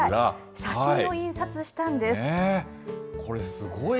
写真を印刷したんです。